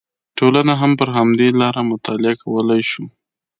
ټولنه هم پر همدې لاره مطالعه کولی شو